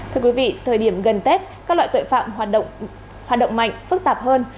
thưa quý vị thời điểm gần tết các loại tội phạm hoạt động mạnh phức tạp hơn